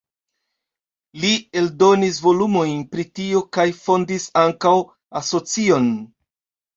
Li eldonis volumojn pri tio kaj fondis ankaŭ asocion.